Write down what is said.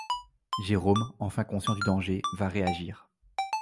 Jérôme, enfin conscient du danger, va réagir.